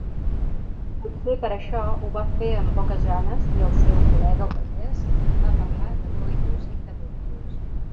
Potser per això ho va fer amb poques ganes i el seu col·lega holandès va parlar de “coitus interruptus”.